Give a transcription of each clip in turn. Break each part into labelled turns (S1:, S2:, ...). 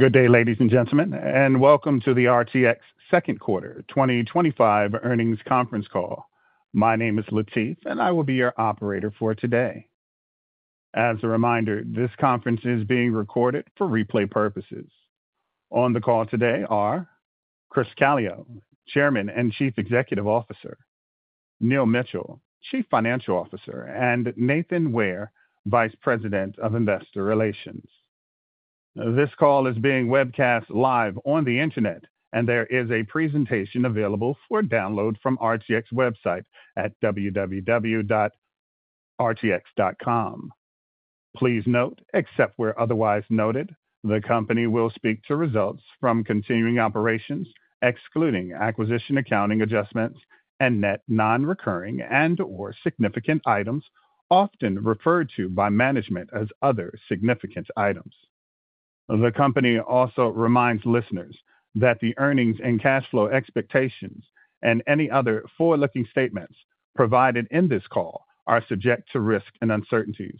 S1: Good day, ladies and gentlemen, and welcome to the RTX Second Quarter 2025 Earnings Conference Call. My name is Latif, and I will be your operator for today. As a reminder, this conference is being recorded for replay purposes. On the call today are Chris Calio, Chairman and Chief Executive Officer; Neil Mitchell, Chief Financial Officer; and Nathan Ware, Vice President of Investor Relations. This call is being webcast live on the internet, and there is a presentation available for download from RTX's website at www.rtx.com. Please note, except where otherwise noted, the company will speak to results from continuing operations, excluding acquisition accounting adjustments and net non-recurring and/or significant items often referred to by management as other significant items. The company also reminds listeners that the earnings and cash flow expectations and any other forward-looking statements provided in this call are subject to risk and uncertainties.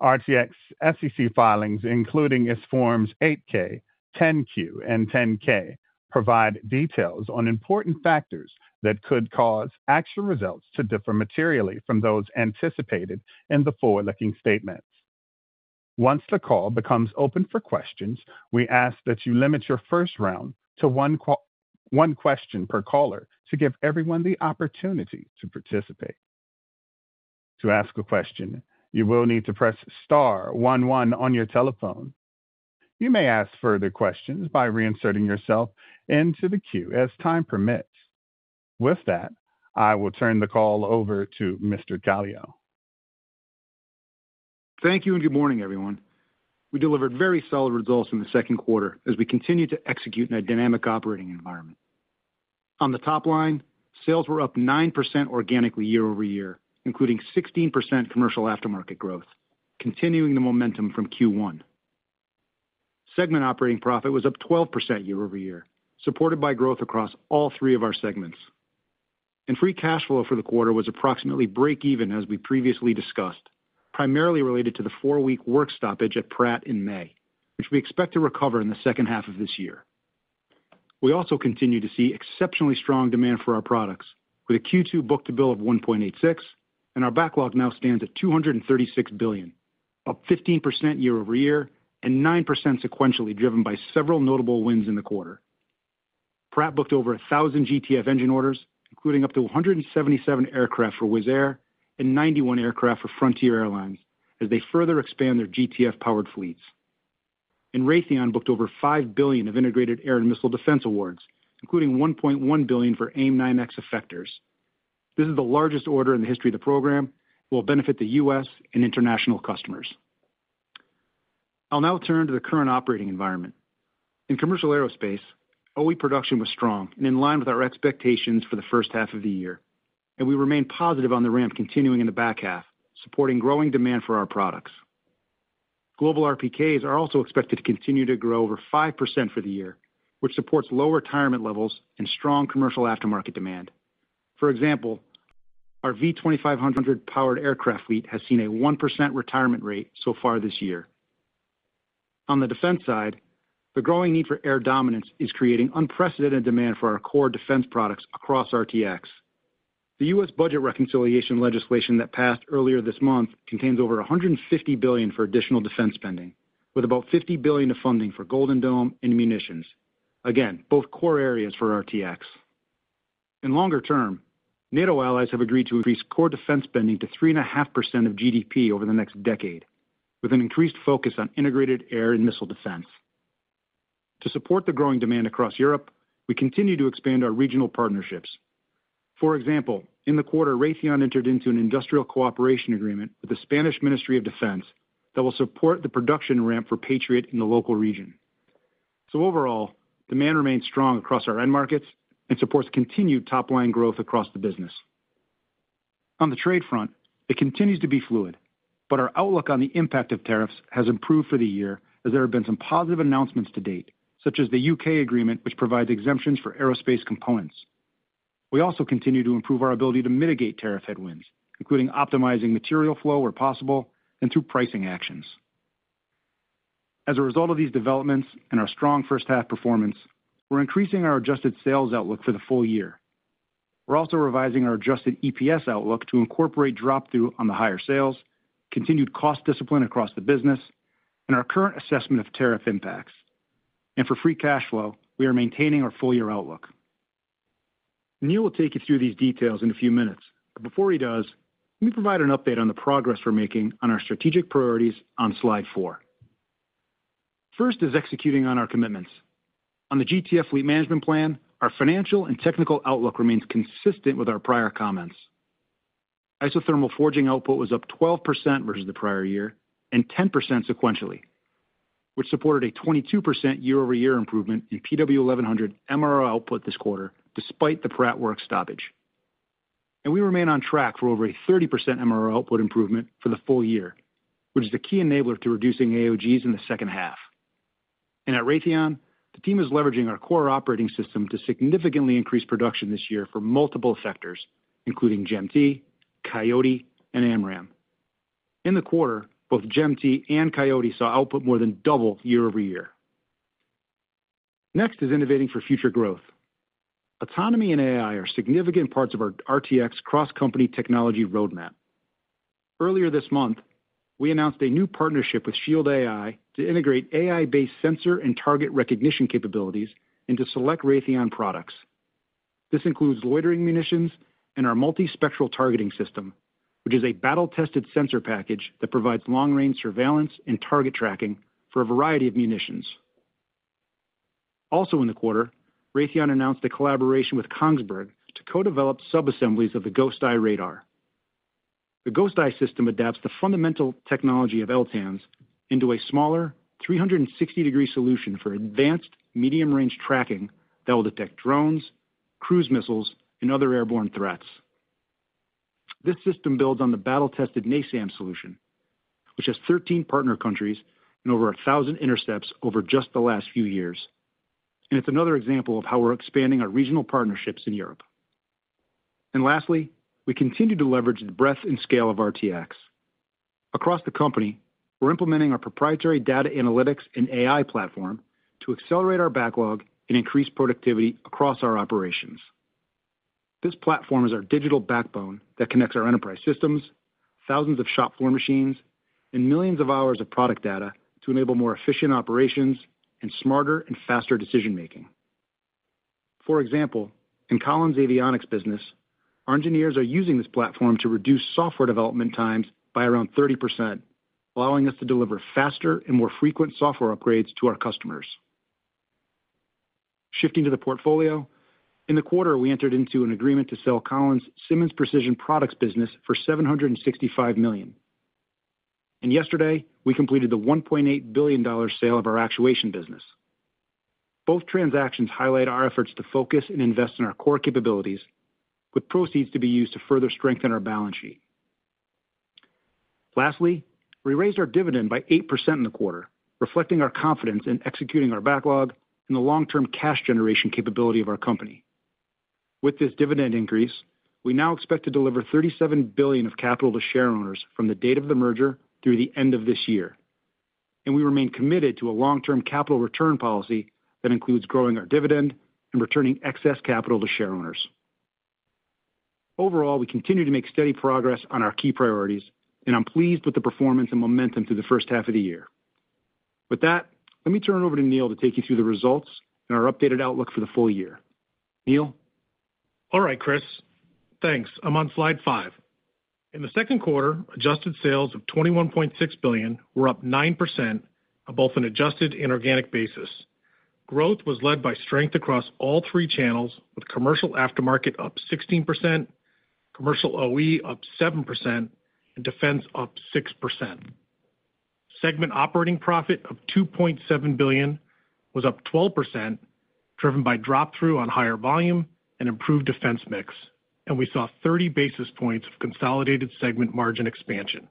S1: RTX's SEC filings, including its Forms 8-K, 10-Q, and 10-K, provide details on important factors that could cause actual results to differ materially from those anticipated in the forward-looking statements. Once the call becomes open for questions, we ask that you limit your first round to one question per caller to give everyone the opportunity to participate. To ask a question, you will need to press star 11 on your telephone. You may ask further questions by reinserting yourself into the queue as time permits. With that, I will turn the call over to Mr. Calio.
S2: Thank you and good morning, everyone. We delivered very solid results in the second quarter as we continued to execute in a dynamic operating environment. On the top line, sales were up 9% organically year over year, including 16% commercial aftermarket growth, continuing the momentum from Q1. Segment operating profit was up 12% year over year, supported by growth across all three of our segments. Free cash flow for the quarter was approximately break-even, as we previously discussed, primarily related to the four-week work stoppage at Pratt in May, which we expect to recover in the second half of this year. We also continue to see exceptionally strong demand for our products, with a Q2 book-to-bill of 1.86, and our backlog now stands at $236 billion, up 15% year- over-year and 9% sequentially, driven by several notable wins in the quarter. Pratt booked over 1,000 GTF engine orders, including up to 177 aircraft for Wizz Air and 91 aircraft for Frontier Airlines, as they further expand their GTF-powered fleets. Raytheon booked over $5 billion of Integrated Air and Missile Defense awards, including $1.1 billion for AIM-9X effectors. This is the largest order in the history of the program and will benefit the U.S. and international customers. I'll now turn to the current operating environment. In commercial aerospace, OE production was strong and in line with our expectations for the first half of the year, and we remain positive on the ramp continuing in the back half, supporting growing demand for our products. Global RPKs are also expected to continue to grow over 5% for the year, which supports low retirement levels and strong commercial aftermarket demand. For example, our V-2500 powered aircraft fleet has seen a 1% retirement rate so far this year. On the defense side, the growing need for air dominance is creating unprecedented demand for our core defense products across RTX. The U.S. budget reconciliation legislation that passed earlier this month contains over $150 billion for additional defense spending, with about $50 billion of funding for Golden Dome and munitions, again, both core areas for RTX. In longer term, NATO allies have agreed to increase core defense spending to 3.5% of GDP over the next decade, with an increased focus on integrated air and missile defense. To support the growing demand across Europe, we continue to expand our regional partnerships. For example, in the quarter, RTX entered into an industrial cooperation agreement with the Spanish Ministry of Defense that will support the production ramp for Patriot in the local region. Overall, demand remains strong across our end markets and supports continued top-line growth across the business. On the trade front, it continues to be fluid, but our outlook on the impact of tariffs has improved for the year as there have been some positive announcements to date, such as the UK agreement which provides exemptions for aerospace components. We also continue to improve our ability to mitigate tariff headwinds, including optimizing material flow where possible and through pricing actions. As a result of these developments and our strong first-half performance, we're increasing our adjusted sales outlook for the full year. We're also revising our adjusted EPS outlook to incorporate drop-through on the higher sales, continued cost discipline across the business, and our current assessment of tariff impacts. For free cash flow, we are maintaining our full-year outlook. Neil will take you through these details in a few minutes, but before he does, let me provide an update on the progress we're making on our strategic priorities on slide four. First is executing on our commitments. On the GTF fleet management plan, our financial and technical outlook remains consistent with our prior comments. Isothermal forging output was up 12% versus the prior year and 10% sequentially, which supported a 22% year-over-year improvement in PW1100 MRR output this quarter despite the Pratt work stoppage. We remain on track for over a 30% MRR output improvement for the full year, which is a key enabler to reducing AOGs in the second half. At RTX, the team is leveraging our core operating system to significantly increase production this year for multiple effectors, including GEM-T, Coyote, and AMRAAM. In the quarter, both GEM-T and Coyote saw output more than double year-over-year. Next is innovating for future growth. Autonomy and AI are significant parts of our RTX cross-company technology roadmap. Earlier this month, we announced a new partnership with Shield AI to integrate AI-based sensor and target recognition capabilities into select RTX products. This includes loitering munitions and our Multi-Spectral Targeting System, which is a battle-tested sensor package that provides long-range surveillance and target tracking for a variety of munitions. Also in the quarter, RTX announced a collaboration with Kongsberg to co-develop sub-assemblies of the GhostEye Radar. The GhostEye system adapts the fundamental technology of LTAMDS into a smaller 360° solution for advanced medium-range tracking that will detect drones, cruise missiles, and other airborne threats. This system builds on the battle-tested NASAMS solution, which has 13 partner countries and over 1,000 intercepts over just the last few years. It is another example of how we are expanding our regional partnerships in Europe. Lastly, we continue to leverage the breadth and scale of RTX. Across the company, we are implementing our proprietary data analytics and AI platform to accelerate our backlog and increase productivity across our operations. This platform is our digital backbone that connects our enterprise systems, thousands of shop floor machines, and millions of hours of product data to enable more efficient operations and smarter and faster decision-making. For example, in Collins Aerospace Avionics' business, our engineers are using this platform to reduce software development times by around 30%, allowing us to deliver faster and more frequent software upgrades to our customers. Shifting to the portfolio, in the quarter, we entered into an agreement to sell Collins Aerospace Simmons Precision Products business for $765 million. Yesterday, we completed the $1.8 billion sale of our actuation business. Both transactions highlight our efforts to focus and invest in our core capabilities, with proceeds to be used to further strengthen our balance sheet. Lastly, we raised our dividend by 8% in the quarter, reflecting our confidence in executing our backlog and the long-term cash generation capability of our company. With this dividend increase, we now expect to deliver $37 billion of capital to share owners from the date of the merger through the end of this year. We remain committed to a long-term capital return policy that includes growing our dividend and returning excess capital to share owners. Overall, we continue to make steady progress on our key priorities, and I'm pleased with the performance and momentum through the first half of the year. With that, let me turn it over to Neil to take you through the results and our updated outlook for the full year. Neil.
S3: All right, Chris. Thanks. I'm on slide five. In the second quarter, adjusted sales of $21.6 billion were up 9% on both an adjusted and organic basis. Growth was led by strength across all three channels, with commercial aftermarket up 16%, commercial OE up 7%, and defense up 6%. Segment operating profit of $2.7 billion was up 12%, driven by drop-through on higher volume and improved defense mix, and we saw 30 basis points of consolidated segment margin expansion.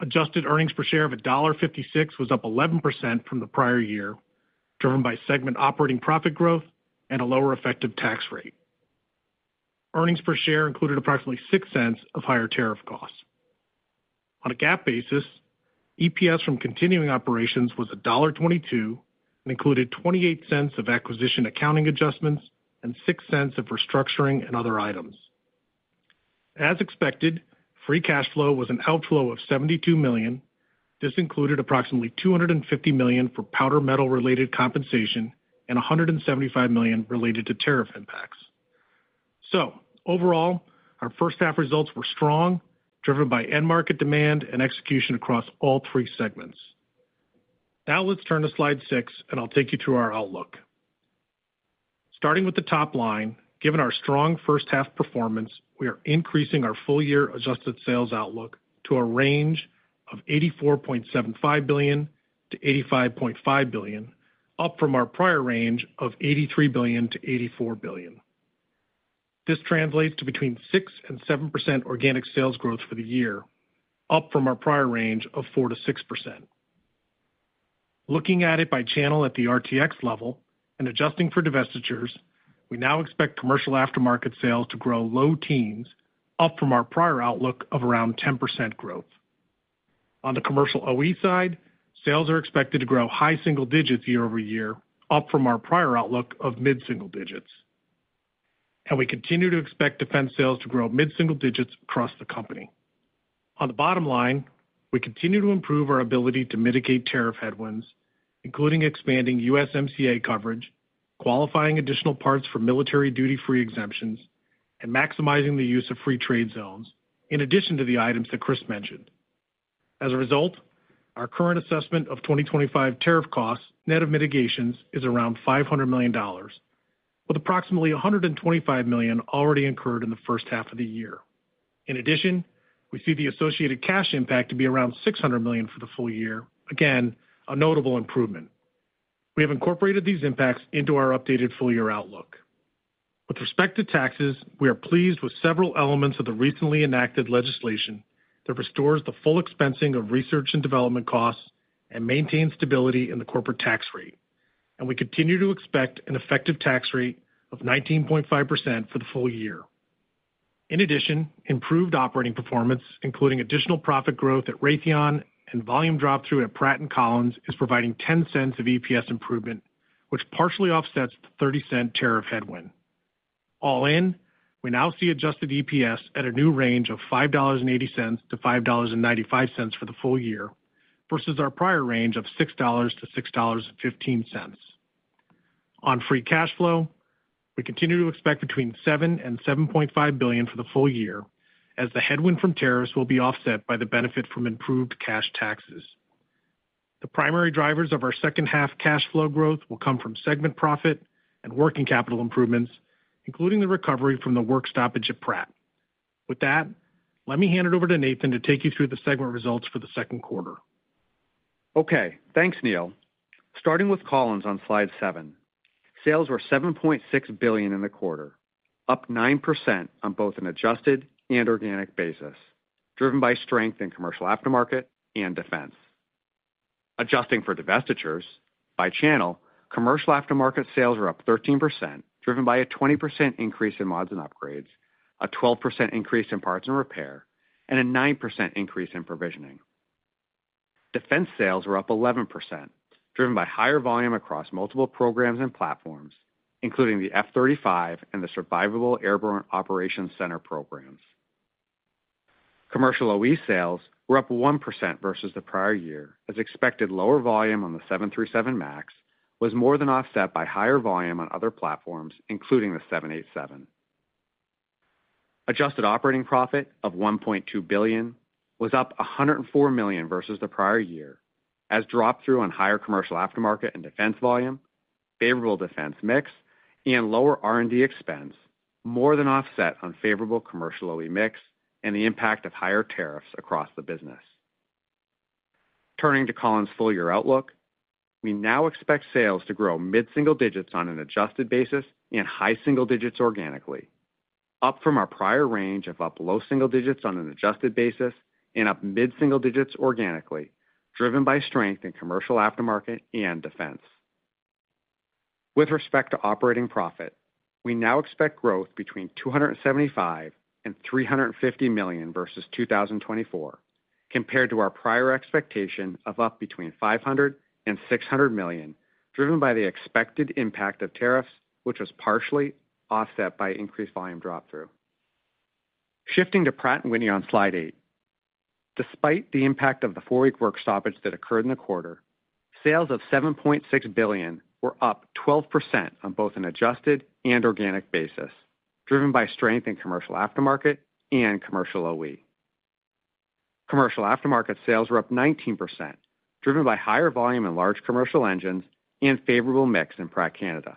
S3: Adjusted earnings per share of $1.56 was up 11% from the prior year, driven by segment operating profit growth and a lower effective tax rate. Earnings per share included approximately $0.06 of higher tariff costs. On a GAAP basis, EPS from continuing operations was $1.22 and included $0.28 of acquisition accounting adjustments and $0.06 of restructuring and other items. As expected, free cash flow was an outflow of $72 million. This included approximately $250 million for powder-metal-related compensation and $175 million related to tariff impacts. Overall, our first-half results were strong, driven by end-market demand and execution across all three segments. Now let's turn to slide six, and I'll take you through our outlook. Starting with the top line, given our strong first-half performance, we are increasing our full-year adjusted sales outlook to a range of $84.75 billion - $85.5 billion, up from our prior range of $83 billion - $84 billion. This translates to between 6% and 7% organic sales growth for the year, up from our prior range of 4% - 6%. Looking at it by channel at the RTX level and adjusting for divestitures, we now expect commercial aftermarket sales to grow low teens, up from our prior outlook of around 10% growth. On the commercial OE side, sales are expected to grow high single digits year-over-year, up from our prior outlook of mid-single digits. We continue to expect defense sales to grow mid-single digits across the company. On the bottom line, we continue to improve our ability to mitigate tariff headwinds, including expanding USMCA coverage, qualifying additional parts for military duty-free exemptions, and maximizing the use of free trade zones, in addition to the items that Chris mentioned. As a result, our current assessment of 2025 tariff costs net of mitigations is around $500 million, with approximately $125 million already incurred in the first half of the year. In addition, we see the associated cash impact to be around $600 million for the full year, again, a notable improvement. We have incorporated these impacts into our updated full-year outlook. With respect to taxes, we are pleased with several elements of the recently enacted legislation that restores the full expensing of research and development costs and maintains stability in the corporate tax rate. We continue to expect an effective tax rate of 19.5% for the full year. In addition, improved operating performance, including additional profit growth at RTX and volume drop-through at Pratt and Collins, is providing $0.10 of EPS improvement, which partially offsets the $0.30 tariff headwind. All in, we now see adjusted EPS at a new range of $5.80 - $5.95 for the full year versus our prior range of $6.00 - $6.15. On free cash flow, we continue to expect between $7 billion and $7.5 billion for the full year, as the headwind from tariffs will be offset by the benefit from improved cash taxes. The primary drivers of our second-half cash flow growth will come from segment profit and working capital improvements, including the recovery from the work stoppage at Pratt. With that, let me hand it over to Nathan to take you through the segment results for the second quarter.
S4: Okay. Thanks, Neil. Starting with Collins on slide seven, sales were $7.6 billion in the quarter, up 9% on both an adjusted and organic basis, driven by strength in commercial aftermarket and defense. Adjusting for divestitures, by channel, commercial aftermarket sales were up 13%, driven by a 20% increase in mods and upgrades, a 12% increase in parts and repair, and a 9% increase in provisioning. Defense sales were up 11%, driven by higher volume across multiple programs and platforms, including the F-35 and the Survivable Airborne Operations Center programs. Commercial OE sales were up 1% versus the prior year, as expected lower volume on the 737 MAX was more than offset by higher volume on other platforms, including the 787. Adjusted operating profit of $1.2 billion was up $104 million versus the prior year, as drop-through on higher commercial aftermarket and defense volume, favorable defense mix, and lower R&D expense more than offset unfavorable commercial OE mix and the impact of higher tariffs across the business. Turning to Collins' full-year outlook, we now expect sales to grow mid-single digits on an adjusted basis and high single digits organically, up from our prior range of up low single digits on an adjusted basis and up mid-single digits organically, driven by strength in commercial aftermarket and defense. With respect to operating profit, we now expect growth between $275 million and $350 million versus 2024, compared to our prior expectation of up between $500 million and $600 million, driven by the expected impact of tariffs, which was partially offset by increased volume drop-through. Shifting to Pratt & Whitney on slide eight, despite the impact of the four-week work stoppage that occurred in the quarter, sales of $7.6 billion were up 12% on both an adjusted and organic basis, driven by strength in commercial aftermarket and commercial OE. Commercial aftermarket sales were up 19%, driven by higher volume in large commercial engines and favorable mix in Pratt Canada.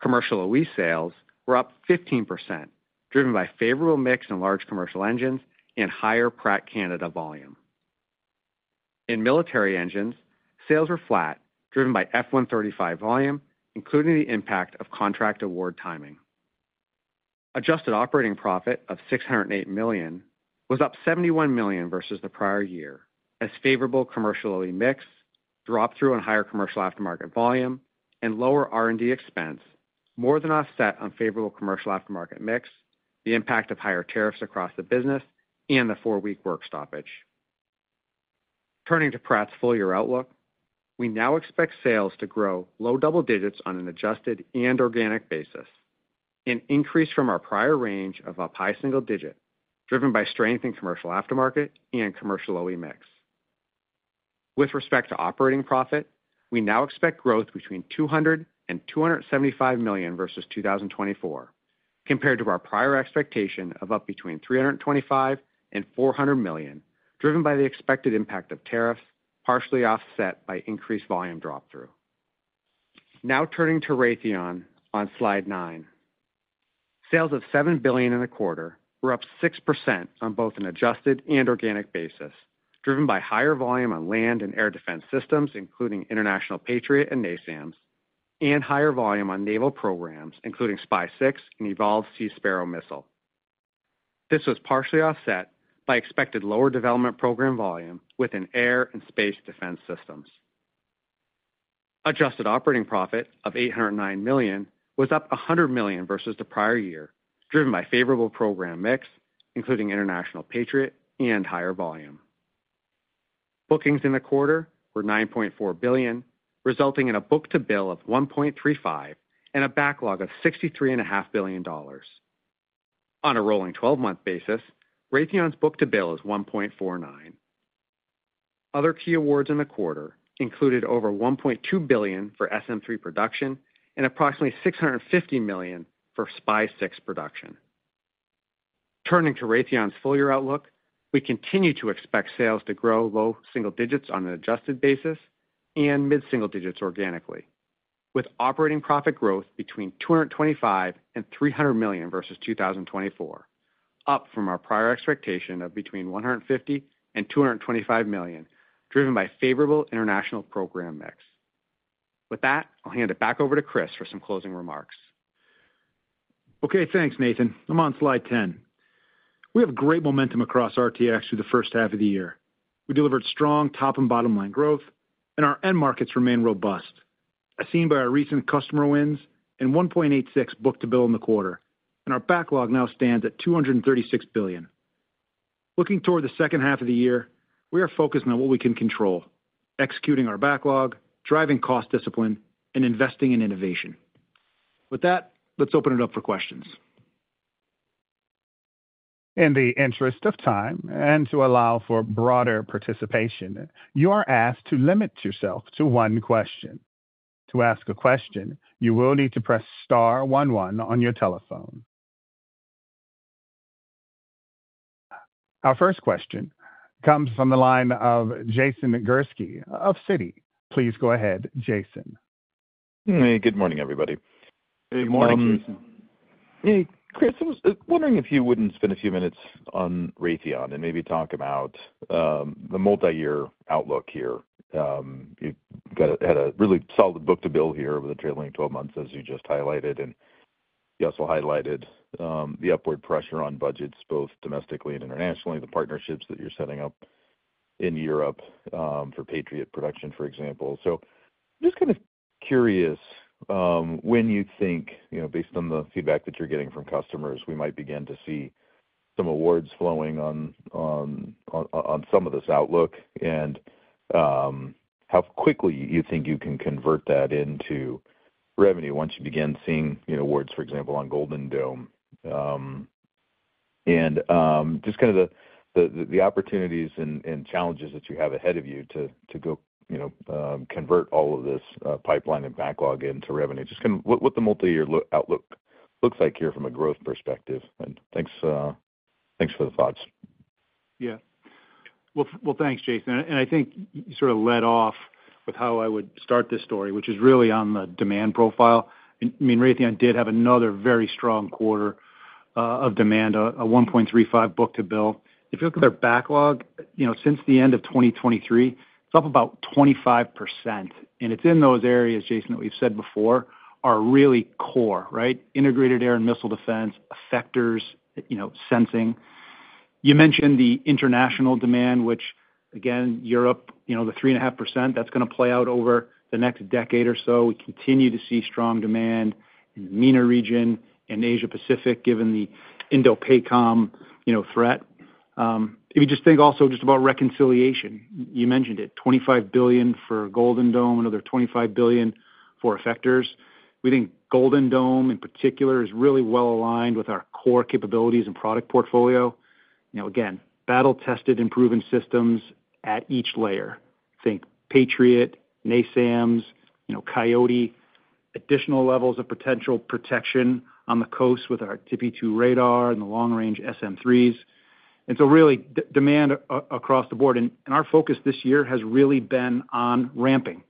S4: Commercial OE sales were up 15%, driven by favorable mix in large commercial engines and higher Pratt Canada volume. In military engines, sales were flat, driven by F-135 volume, including the impact of contract award timing. Adjusted operating profit of $608 million was up $71 million versus the prior year, as favorable commercial OE mix, drop-through on higher commercial aftermarket volume, and lower R&D expense more than offset unfavorable commercial aftermarket mix, the impact of higher tariffs across the business, and the four-week work stoppage. Turning to Pratt's full-year outlook, we now expect sales to grow low double digits on an adjusted and organic basis, an increase from our prior range of up high single digit, driven by strength in commercial aftermarket and commercial OE mix. With respect to operating profit, we now expect growth between $200 million and $275 million versus 2024, compared to our prior expectation of up between $325 million and $400 million, driven by the expected impact of tariffs partially offset by increased volume drop-through. Now turning to RTX on slide nine, sales of $7 billion in the quarter were up 6% on both an adjusted and organic basis, driven by higher volume on land and air defense systems, including International Patriot and NASAMS, and higher volume on naval programs, including SPY-6 and Evolved Sea Sparrow Missile. This was partially offset by expected lower development program volume within air and space defense systems. Adjusted operating profit of $809 million was up $100 million versus the prior year, driven by favorable program mix, including International Patriot and higher volume. Bookings in the quarter were $9.4 billion, resulting in a book-to-bill of $1.35 and a backlog of $63.5 billion. On a rolling 12-month basis, RTX's book-to-bill is $1.49. Other key awards in the quarter included over $1.2 billion for SM-3 production and approximately $650 million for SPY-6 production. Turning to RTX's full-year outlook, we continue to expect sales to grow low single digits on an adjusted basis and mid-single digits organically, with operating profit growth between $225 million and $300 million versus 2024, up from our prior expectation of between $150 million and $225 million, driven by favorable international program mix. With that, I'll hand it back over to Chris for some closing remarks.
S2: Okay. Thanks, Nathan. I'm on slide 10. We have great momentum across RTX through the first half of the year. We delivered strong top and bottom line growth, and our end markets remain robust, as seen by our recent customer wins and $1.86 book-to-bill in the quarter, and our backlog now stands at $236 billion. Looking toward the second half of the year, we are focused on what we can control, executing our backlog, driving cost discipline, and investing in innovation. With that, let's open it up for questions.
S1: In the interest of time and to allow for broader participation, you are asked to limit yourself to one question. To ask a question, you will need to press star 11 on your telephone. Our first question comes from the line of Jason Gursky of Citi. Please go ahead, Jason. Hey, good morning, everybody.
S2: Hey, morning, Jason. Hey, Chris. I was wondering if you wouldn't spend a few minutes on RTX and maybe talk about the multi-year outlook here. You had a really solid book-to-bill here over the trailing 12 months, as you just highlighted, and you also highlighted the upward pressure on budgets, both domestically and internationally, the partnerships that you're setting up in Europe for Patriot production, for example. I'm just kind of curious when you think, based on the feedback that you're getting from customers, we might begin to see some awards flowing on some of this outlook and how quickly you think you can convert that into revenue once you begin seeing awards, for example, on Golden Dome. Just kind of the opportunities and challenges that you have ahead of you to go convert all of this pipeline and backlog into revenue. Just kind of what the multi-year outlook looks like here from a growth perspective. Thanks for the thoughts. Yeah. Thanks, Jason. I think you sort of led off with how I would start this story, which is really on the demand profile. I mean, RTX did have another very strong quarter of demand, a $1.35 book-to-bill. If you look at their backlog since the end of 2023, it's up about 25%. It's in those areas, Jason, that we've said before are really core, right? Integrated air and missile defense, effectors, sensing. You mentioned the international demand, which, again, Europe, the 3.5%, that's going to play out over the next decade or so. We continue to see strong demand in the MENA region and Asia-Pacific, given the Indo-PACOM threat. If you just think also just about reconciliation, you mentioned it, $25 billion for Golden Dome, another $25 billion for effectors. We think Golden Dome, in particular, is really well aligned with our core capabilities and product portfolio. Again, battle-tested and proven systems at each layer. Think Patriot, NASAMS, Coyote, additional levels of potential protection on the coast with our TPY-2 radar and the long-range SM-3s. Really demand across the board. Our focus this year has really been on ramping.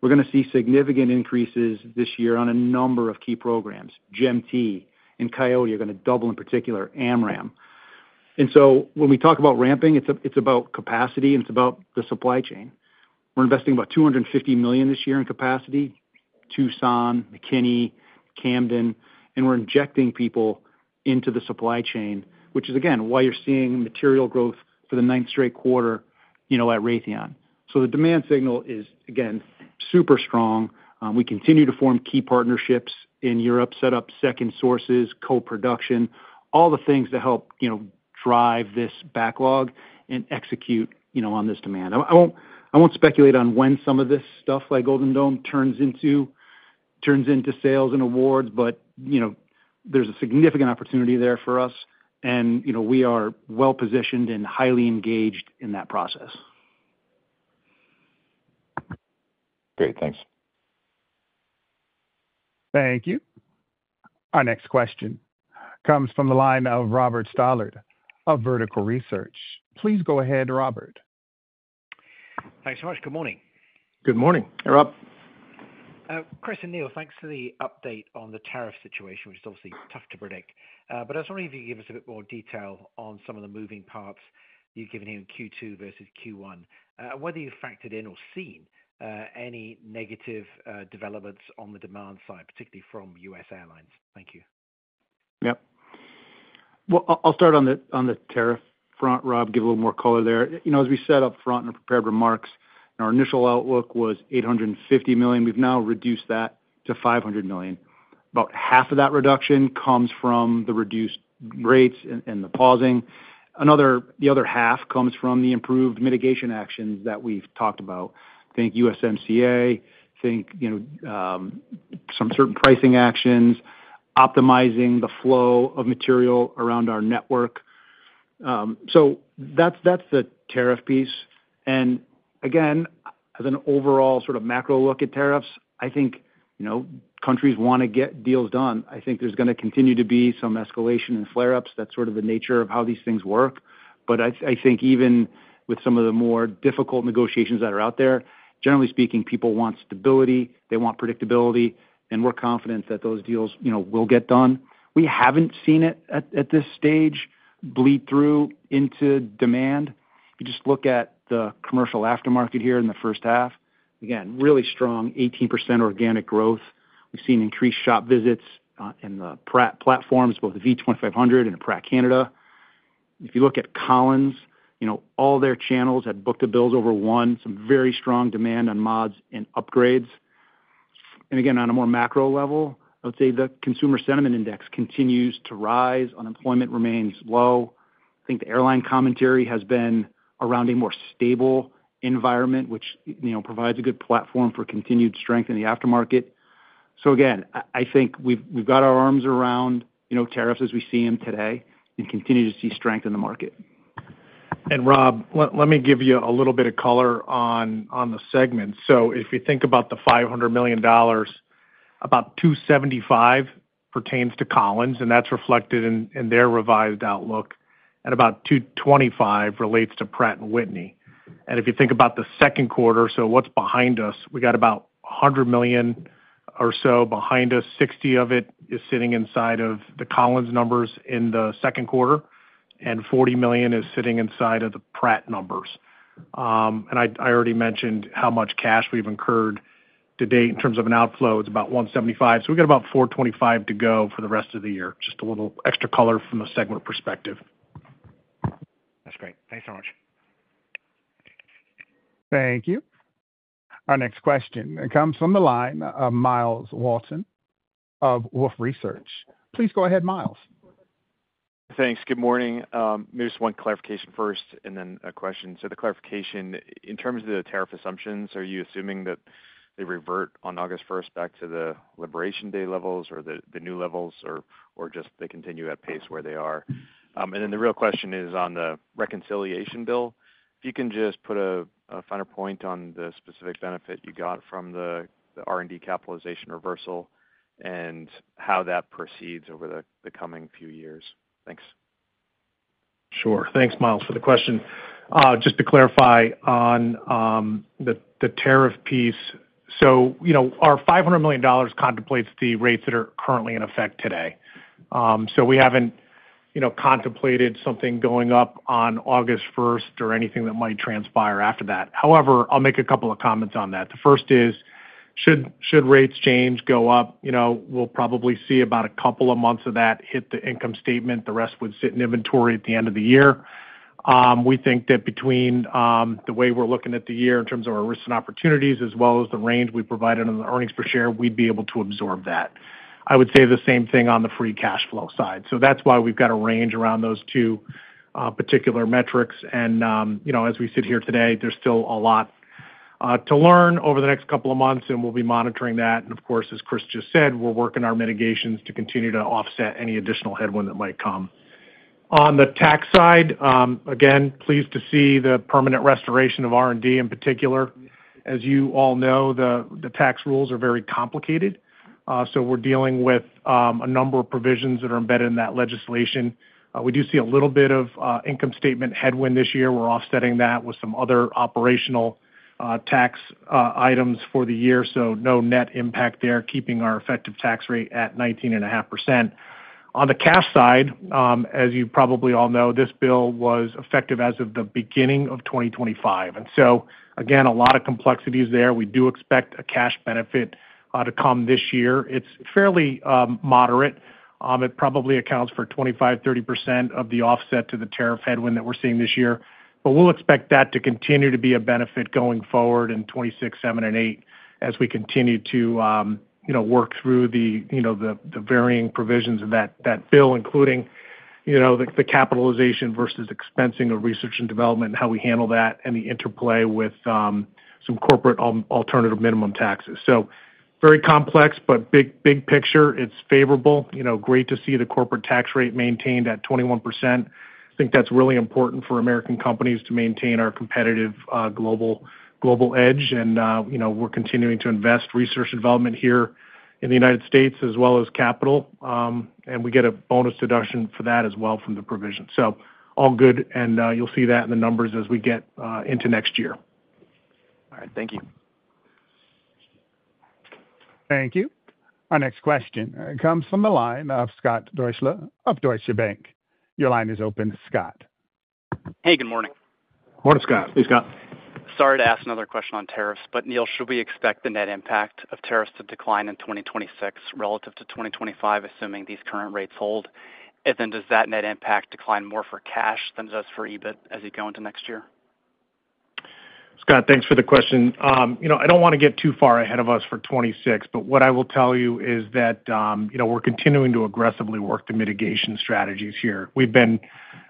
S2: We're going to see significant increases this year on a number of key programs. GEM-T and Coyote are going to double in particular, AMRAAM. When we talk about ramping, it's about capacity and it's about the supply chain. We're investing about $250 million this year in capacity, Tucson, McKinney, Camden, and we're injecting people into the supply chain, which is, again, why you're seeing material growth for the ninth straight quarter at RTX. The demand signal is, again, super strong. We continue to form key partnerships in Europe, set up second sources, co-production, all the things that help drive this backlog and execute on this demand. I won't speculate on when some of this stuff like Golden Dome turns into sales and awards, but there's a significant opportunity there for us, and we are well-positioned and highly engaged in that process. Great. Thanks.
S1: Thank you. Our next question comes from the line of Robert Stallard of Vertical Research. Please go ahead, Robert.
S5: Thanks so much. Good morning.
S2: Good morning. Hey, Rob.
S5: Chris and Neil, thanks for the update on the tariff situation, which is obviously tough to predict. I was wondering if you could give us a bit more detail on some of the moving parts you've given here in Q2 versus Q1, whether you've factored in or seen any negative developments on the demand side, particularly from US Airlines. Thank you.
S2: Yep. I'll start on the tariff front, Rob, give a little more color there. As we said upfront in our prepared remarks, our initial outlook was $850 million. We've now reduced that to $500 million. About half of that reduction comes from the reduced rates and the pausing. The other half comes from the improved mitigation actions that we've talked about. Think USMCA, think some certain pricing actions, optimizing the flow of material around our network. That's the tariff piece. Again, as an overall sort of macro look at tariffs, I think countries want to get deals done. I think there's going to continue to be some escalation and flare-ups. That's sort of the nature of how these things work. I think even with some of the more difficult negotiations that are out there, generally speaking, people want stability. They want predictability. We're confident that those deals will get done. We haven't seen it at this stage bleed through into demand. You just look at the commercial aftermarket here in the first half. Again, really strong 18% organic growth. We've seen increased shop visits in the platforms, both the V2500 and Pratt Canada. If you look at Collins, all their channels had book-to-bills over one, some very strong demand on mods and upgrades. Again, on a more macro level, I would say the consumer sentiment index continues to rise. Unemployment remains low. I think the airline commentary has been around a more stable environment, which provides a good platform for continued strength in the aftermarket. Again, I think we've got our arms around tariffs as we see them today and continue to see strength in the market.
S3: Rob, let me give you a little bit of color on the segment. If you think about the $500 million, about $275 million pertains to Collins, and that is reflected in their revised outlook. About $225 million relates to Pratt & Whitney. If you think about the second quarter, what is behind us, we have about $100 million or so behind us. Sixty of it is sitting inside of the Collins numbers in the second quarter, and $40 million is sitting inside of the Pratt numbers. I already mentioned how much cash we have incurred to date in terms of an outflow. It is about $175 million. We have about $425 million to go for the rest of the year. Just a little extra color from a segment perspective.
S5: That's great. Thanks so much.
S1: Thank you. Our next question comes from the line of Miles Watson of Wolfe Research. Please go ahead, Miles. Thanks. Good morning. Maybe just one clarification first and then a question. The clarification, in terms of the tariff assumptions, are you assuming that they revert on August 1 back to the liberation day levels or the new levels or just they continue at pace where they are? The real question is on the reconciliation bill. If you can just put a finer point on the specific benefit you got from the R&D capitalization reversal and how that proceeds over the coming few years. Thanks.
S3: Sure. Thanks, Miles, for the question. Just to clarify on the tariff piece, our $500 million contemplates the rates that are currently in effect today. We have not contemplated something going up on August 1 or anything that might transpire after that. However, I will make a couple of comments on that. The first is, should rates change, go up, we will probably see about a couple of months of that hit the income statement. The rest would sit in inventory at the end of the year. We think that between the way we are looking at the year in terms of our risk and opportunities as well as the range we provided on the earnings per share, we would be able to absorb that. I would say the same thing on the free cash flow side. That is why we have got a range around those two particular metrics. As we sit here today, there's still a lot to learn over the next couple of months, and we'll be monitoring that. Of course, as Chris just said, we're working our mitigations to continue to offset any additional headwind that might come. On the tax side, again, pleased to see the permanent restoration of R&D in particular. As you all know, the tax rules are very complicated. We're dealing with a number of provisions that are embedded in that legislation. We do see a little bit of income statement headwind this year. We're offsetting that with some other operational tax items for the year. No net impact there, keeping our effective tax rate at 19.5%. On the cash side, as you probably all know, this bill was effective as of the beginning of 2025. Again, a lot of complexities there. We do expect a cash benefit to come this year. It's fairly moderate. It probably accounts for 25%-30% of the offset to the tariff headwind that we're seeing this year. We'll expect that to continue to be a benefit going forward in 2026, 2027, and 2028 as we continue to work through the varying provisions of that bill, including the capitalization versus expensing of research and development and how we handle that and the interplay with some corporate alternative minimum taxes. Very complex, but big picture, it's favorable. Great to see the corporate tax rate maintained at 21%. I think that's really important for American companies to maintain our competitive global edge. We're continuing to invest research and development here in the United States as well as capital. We get a bonus deduction for that as well from the provision. All good. You'll see that in the numbers as we get into next year. All right. Thank you.
S1: Thank you. Our next question comes from the line of Scott Deuschle of Deutsche Bank. Your line is open, Scott.
S6: Hey, good morning.
S2: Morning, Scott. Hey, Scott.
S6: Sorry to ask another question on tariffs, but Neil, should we expect the net impact of tariffs to decline in 2026 relative to 2025, assuming these current rates hold? Does that net impact decline more for cash than it does for EBIT as you go into next year?
S3: Scott, thanks for the question. I don't want to get too far ahead of us for 2026, but what I will tell you is that we're continuing to aggressively work the mitigation strategies here. We've been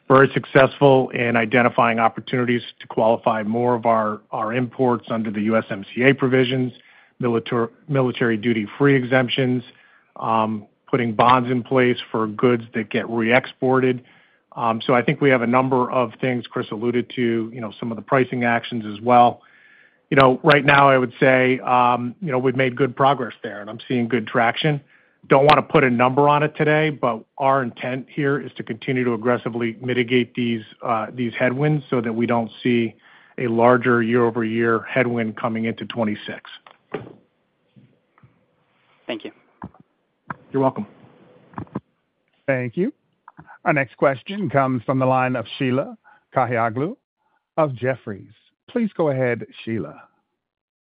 S3: very successful in identifying opportunities to qualify more of our imports under the USMCA provisions, military duty-free exemptions, putting bonds in place for goods that get re-exported. I think we have a number of things, Chris alluded to, some of the pricing actions as well. Right now, I would say we've made good progress there, and I'm seeing good traction. I don't want to put a number on it today, but our intent here is to continue to aggressively mitigate these headwinds so that we don't see a larger year-over-year headwind coming into 2026.
S6: Thank you.
S3: You're welcome.
S1: Thank you. Our next question comes from the line of Sheila Kahyaoglu of Jefferies. Please go ahead, Sheila.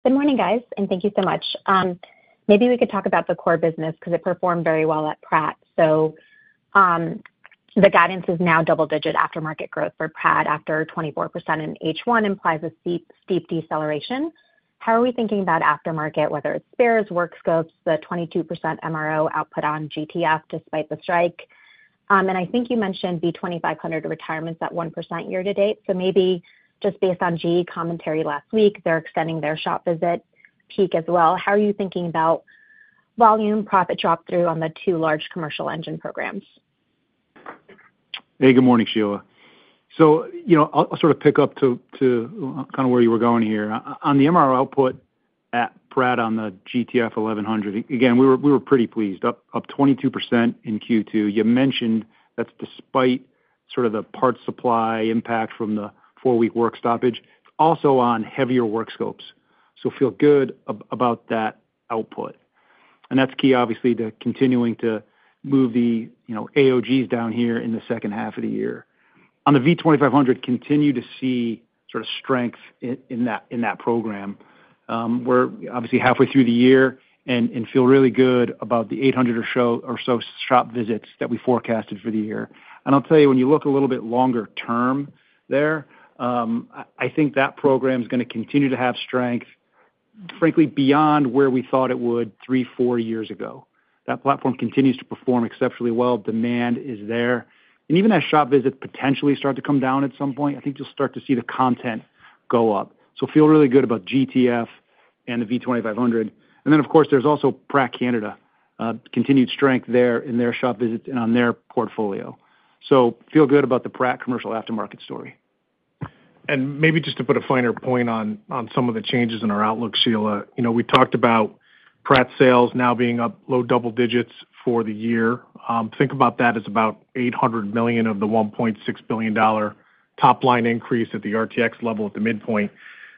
S7: Good morning, guys, and thank you so much. Maybe we could talk about the core business because it performed very well at Pratt. The guidance is now double-digit aftermarket growth for Pratt after 24% in the first half, which implies a steep deceleration. How are we thinking about aftermarket, whether it's spares, work scopes, the 22% MRO output on GTF despite the strike? I think you mentioned V-2500 retirements at 1% year to date. Maybe just based on GE commentary last week, they're extending their shop visit peak as well. How are you thinking about volume profit drop-through on the two large commercial engine programs?
S3: Hey, good morning, Sheila. I'll sort of pick up to kind of where you were going here. On the MRO output at Pratt on the GTF 1100, again, we were pretty pleased, up 22% in Q2. You mentioned that's despite sort of the parts supply impact from the four-week work stoppage, also on heavier work scopes. Feel good about that output. That's key, obviously, to continuing to move the AOGs down here in the second half of the year. On the V2500, continue to see sort of strength in that program. We're obviously halfway through the year and feel really good about the 800 or so shop visits that we forecasted for the year. I'll tell you, when you look a little bit longer term there, I think that program is going to continue to have strength, frankly, beyond where we thought it would three, four years ago. That platform continues to perform exceptionally well. Demand is there. Even as shop visits potentially start to come down at some point, I think you'll start to see the content go up. I feel really good about GTF and the V2500. Of course, there's also Pratt Canada, continued strength there in their shop visits and on their portfolio. I feel good about the Pratt commercial aftermarket story. Maybe just to put a finer point on some of the changes in our outlook, Sheila, we talked about Pratt sales now being up low double digits for the year. Think about that as about $800 million of the $1.6 billion top-line increase at the RTX level at the midpoint.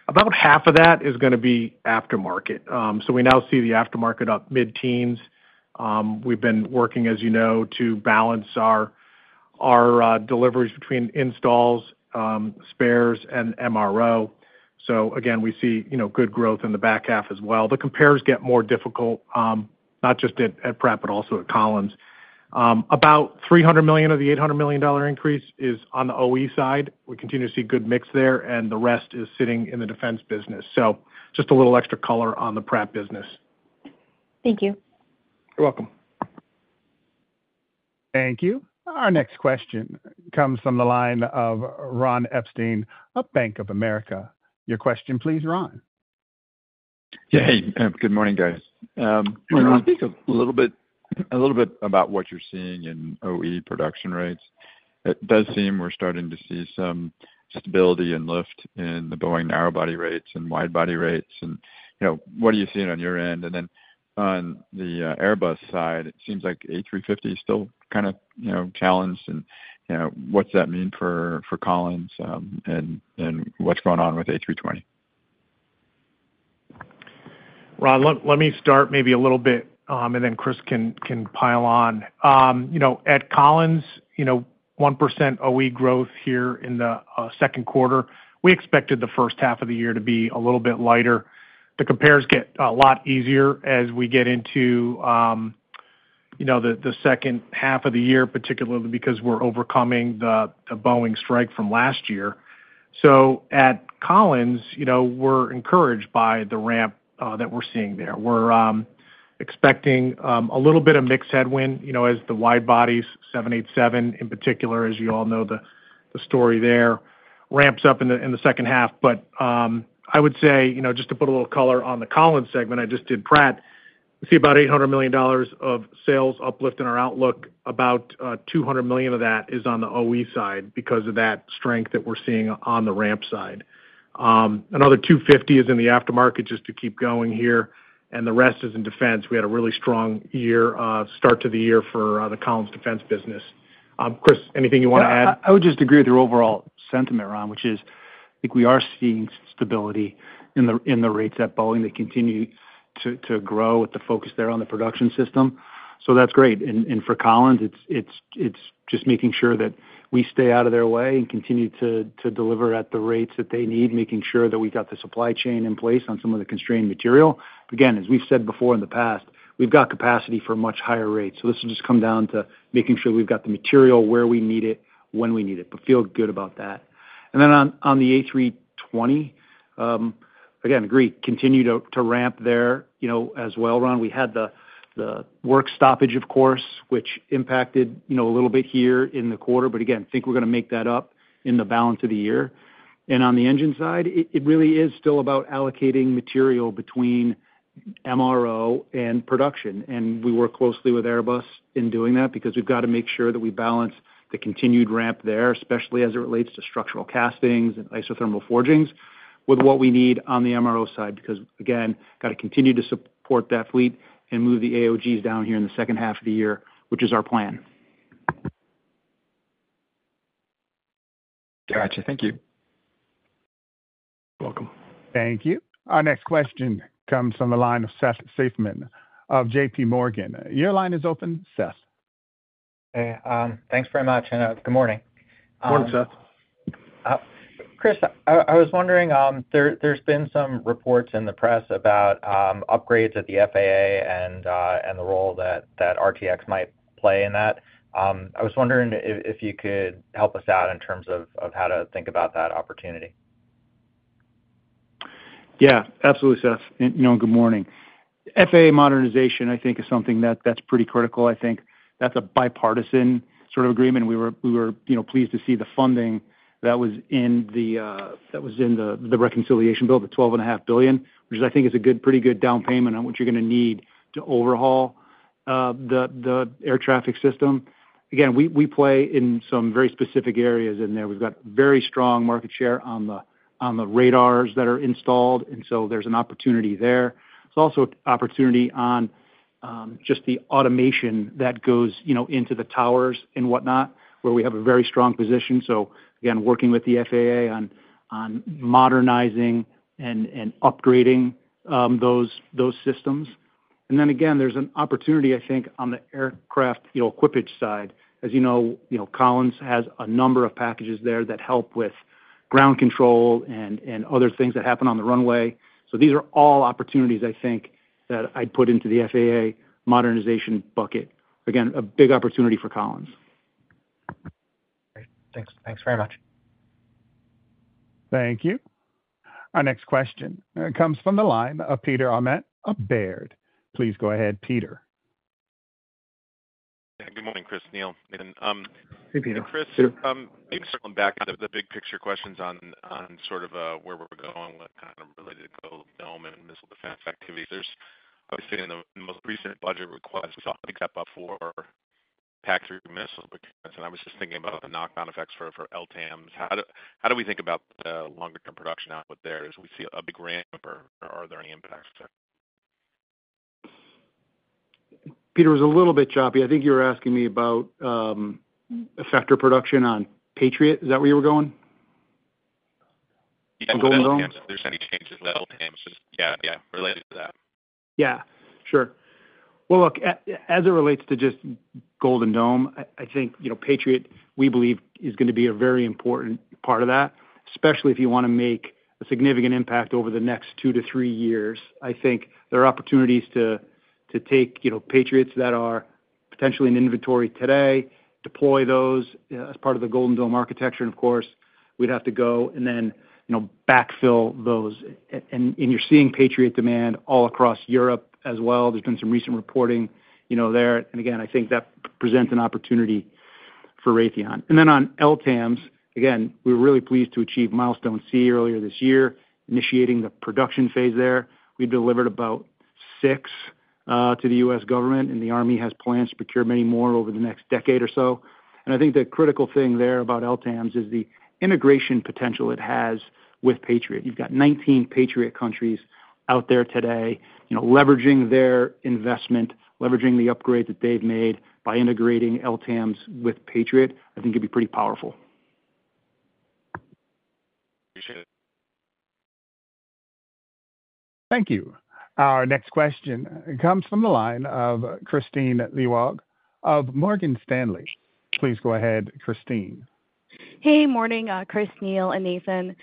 S3: About half of that is going to be aftermarket. We now see the aftermarket up mid-teens. We've been working, as you know, to balance our deliveries between installs, spares, and MRO. We see good growth in the back half as well. The compares get more difficult, not just at Pratt, but also at Collins. About $300 million of the $800 million increase is on the OE side. We continue to see good mix there, and the rest is sitting in the defense business. Just a little extra color on the Pratt business.
S7: Thank you. You're welcome.
S1: Thank you. Our next question comes from the line of Ron Epstein of Bank of America. Your question, please, Ron.
S8: Yeah. Hey, good morning, guys. I want to speak a little bit about what you're seeing in OE production rates. It does seem we're starting to see some stability and lift in the Boeing narrowbody rates and widebody rates. What are you seeing on your end? On the Airbus side, it seems like A350 is still kind of challenged. What's that mean for Collins and what's going on with A320?
S3: Ron, let me start maybe a little bit, and then Chris can pile on. At Collins, 1% OE growth here in the second quarter. We expected the first half of the year to be a little bit lighter. The compares get a lot easier as we get into the second half of the year, particularly because we're overcoming the Boeing strike from last year. At Collins, we're encouraged by the ramp that we're seeing there. We're expecting a little bit of mixed headwind as the widebodies, 787 in particular, as you all know the story there, ramps up in the second half. I would say, just to put a little color on the Collins segment, I just did Pratt. We see about $800 million of sales uplift in our outlook. About $200 million of that is on the OE side because of that strength that we're seeing on the ramp side. Another $250 million is in the aftermarket just to keep going here. The rest is in defense. We had a really strong start to the year for the Collins defense business. Chris, anything you want to add?
S2: I would just agree with your overall sentiment, Ron, which is I think we are seeing stability in the rates at Boeing that continue to grow with the focus there on the production system. That is great. For Collins, it is just making sure that we stay out of their way and continue to deliver at the rates that they need, making sure that we have the supply chain in place on some of the constrained material. Again, as we have said before in the past, we have capacity for much higher rates. This will just come down to making sure we have the material where we need it, when we need it. I feel good about that. On the A320, again, agree, continue to ramp there as well, Ron. We had the work stoppage, of course, which impacted a little bit here in the quarter. I think we're going to make that up in the balance of the year. On the engine side, it really is still about allocating material between MRO and production. We work closely with Airbus in doing that because we've got to make sure that we balance the continued ramp there, especially as it relates to structural castings and isothermal forgings with what we need on the MRO side because, again, got to continue to support that fleet and move the AOGs down here in the second half of the year, which is our plan.
S8: Gotcha. Thank you.
S2: You're welcome.
S4: Thank you. Our next question comes from the line of Seth Seifman of JPMorgan. Your line is open, Seth.
S9: Hey. Thanks very much. Good morning.
S2: Good morning, Seth.
S9: Chris, I was wondering, there's been some reports in the press about upgrades at the FAA and the role that RTX might play in that. I was wondering if you could help us out in terms of how to think about that opportunity.
S2: Yeah. Absolutely, Seth. Good morning. FAA modernization, I think, is something that's pretty critical. I think that's a bipartisan sort of agreement. We were pleased to see the funding that was in the reconciliation bill, the $12.5 billion, which I think is a pretty good down payment on what you're going to need to overhaul the air traffic system. Again, we play in some very specific areas in there. We've got very strong market share on the radars that are installed. There's an opportunity there. There's also an opportunity on just the automation that goes into the towers and whatnot, where we have a very strong position. Again, working with the FAA on modernizing and upgrading those systems. There's an opportunity, I think, on the aircraft equippage side. As you know, Collins has a number of packages there that help with ground control and other things that happen on the runway. These are all opportunities, I think, that I'd put into the FAA modernization bucket. Again, a big opportunity for Collins.
S9: Thanks. Thanks very much.
S1: Thank you. Our next question comes from the line of Peter Arment of Baird. Please go ahead, Peter.
S10: Yeah. Good morning, Chris, Neil.
S2: Hey, Peter.
S10: Hey, Chris. I'm circling back on the big picture questions on sort of where we're going with kind of related to the dome and missile defense activities. Obviously, in the most recent budget request, we saw an example of four PAC-3 missile projections. And I was just thinking about the knockdown effects for LTAMDS. How do we think about the longer-term production output there? Do we see a big ramp, or are there any impacts?
S2: Peter was a little bit choppy. I think you were asking me about effector production on Patriot. Is that where you were going?
S10: Yeah.
S2: Golden Dome? If there's any changes at LTAMDS, just yeah, yeah, related to that. Yeah. Sure. As it relates to just Golden Dome, I think Patriot, we believe, is going to be a very important part of that, especially if you want to make a significant impact over the next two to three years. I think there are opportunities to take Patriots that are potentially in inventory today, deploy those as part of the Golden Dome architecture. Of course, we'd have to go and then backfill those. You are seeing Patriot demand all across Europe as well. There has been some recent reporting there. I think that presents an opportunity for Raytheon. On LTAMDS, we were really pleased to achieve milestone C earlier this year, initiating the production phase there. We delivered about six to the U.S. government, and the Army has plans to procure many more over the next decade or so. I think the critical thing there about LTAMDS is the integration potential it has with Patriot. You have 19 Patriot countries out there today, leveraging their investment, leveraging the upgrade that they have made by integrating LTAMDS with Patriot. I think it would be pretty powerful.
S10: Appreciate it.
S1: Thank you. Our next question comes from the line of Christine Leeuwalk of Morgan Stanley. Please go ahead, Christine.
S11: Hey, morning, Chris, Neil, and Nathan.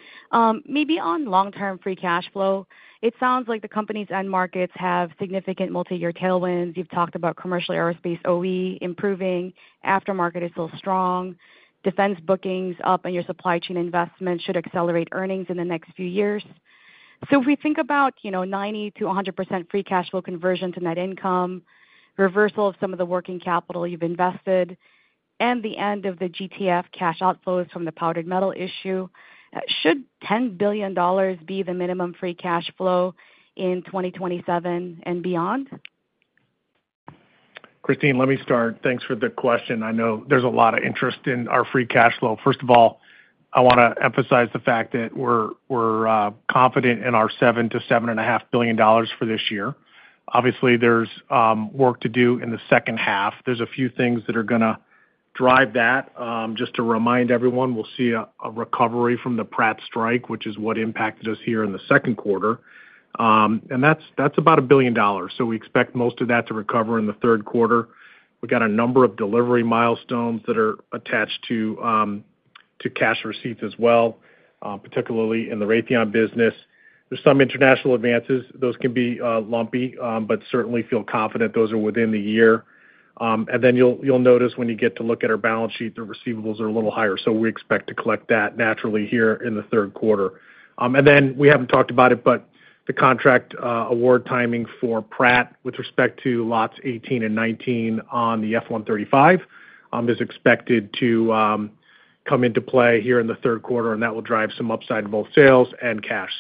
S11: Maybe on long-term free cash flow, it sounds like the company's end markets have significant multi-year tailwinds. You've talked about commercial aerospace OE improving. Aftermarket is still strong. Defense bookings up, and your supply chain investment should accelerate earnings in the next few years. If we think about 90-100% free cash flow conversion to net income, reversal of some of the working capital you've invested, and the end of the GTF cash outflows from the powdered metal issue, should $10 billion be the minimum free cash flow in 2027 and beyond?
S3: Christine, let me start. Thanks for the question. I know there's a lot of interest in our free cash flow. First of all, I want to emphasize the fact that we're confident in our $7 billion-$7.5 billion for this year. Obviously, there's work to do in the second half. There's a few things that are going to drive that. Just to remind everyone, we'll see a recovery from the Pratt strike, which is what impacted us here in the second quarter. That's about $1 billion. We expect most of that to recover in the third quarter. We've got a number of delivery milestones that are attached to cash receipts as well, particularly in the Raytheon business. There's some international advances. Those can be lumpy, but certainly feel confident those are within the year. You'll notice when you get to look at our balance sheet, the receivables are a little higher. We expect to collect that naturally here in the third quarter. We have not talked about it, but the contract award timing for Pratt with respect to lots 18 and 19 on the F-135 is expected to come into play here in the third quarter, and that will drive some upside in both sales and cash.